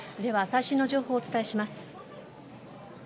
最新の情報をお伝えします。